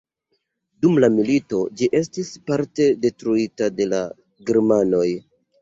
Dum la milito ĝi estis parte detruita de la germanoj.